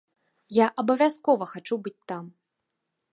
Я абавязкова хачу быць там.